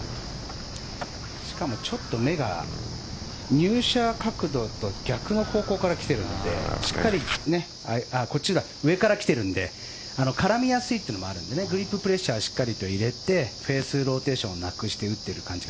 しかもちょっと目が入射角度と逆の方向から来てるので上からきてるので絡みやすいというのもあるのでプレッシャーしっかりと入れてフェースローテーションをなくして打ってる感じ。